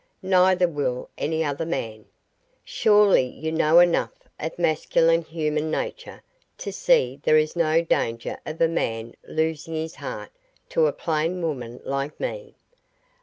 Neither will any other man. Surely you know enough of masculine human nature to see there is no danger of a man losing his heart to a plain woman like me.